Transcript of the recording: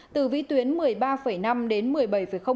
từ vĩ tuyến một mươi ba năm đến